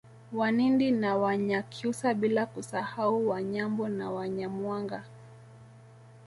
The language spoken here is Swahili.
Wanindi na Wanyakyusa bila kusahau Wanyambo na Wanyamwanga